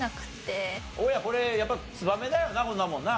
大家これやっぱりツバメだよなこんなもんな。